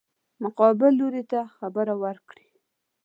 مقابل لوري ته برخه ورکړي.